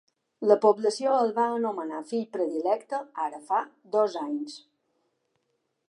La població el va anomenar fill predilecte ara fa dos anys.